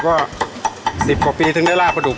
๑๐กว่าปีถึงได้ร่าปลาดุก